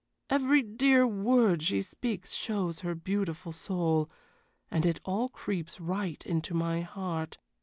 Every dear word she speaks shows her beautiful soul, and it all creeps right into my heart.